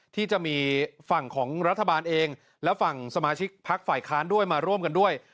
ที่จะมีฝั่งของรัฐบาลเองและฝั่งสมาชิกพักฝ่ายค้านด้วยมาร่วมกันด้วย